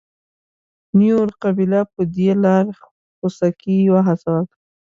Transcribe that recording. نوير قبیله په دې لار خوسکي وهڅول.